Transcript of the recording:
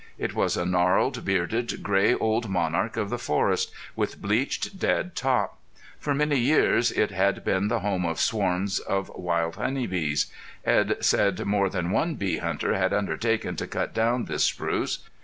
It was a gnarled, bearded, gray, old monarch of the forest, with bleached, dead top. For many years it had been the home of swarms of wild honey bees. Edd said more than one bee hunter had undertaken to cut down this spruce.